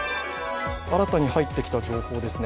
新たに入ってきた情報ですね。